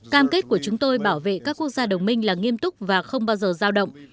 cam kết của chúng tôi bảo vệ các quốc gia đồng minh là nghiêm túc và không bao giờ giao động